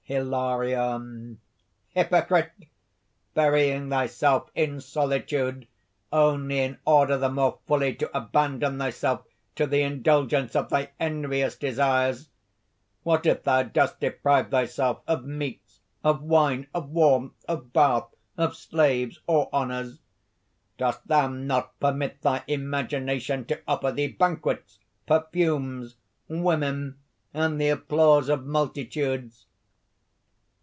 HILARION. "Hypocrite! burying thyself in solitude only in order the more fully to abandon thyself to the indulgence of thy envious desires! What if thou dost deprive thyself of meats, of wine, of warmth, of bath, of slaves, or honours? dost thou not permit thy imagination to offer thee banquets, perfumes, women, and the applause of multitudes?